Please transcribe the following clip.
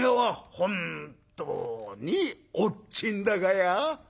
本当におっちんだがや？」。